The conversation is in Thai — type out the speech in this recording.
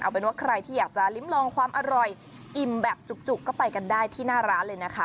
เอาเป็นว่าใครที่อยากจะลิ้มลองความอร่อยอิ่มแบบจุกก็ไปกันได้ที่หน้าร้านเลยนะคะ